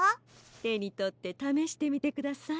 てにとってためしてみてください。